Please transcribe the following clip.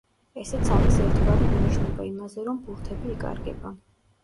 ესეც არის ერთგვარი მინიშნება იმაზე, რომ ბურთები იკარგება.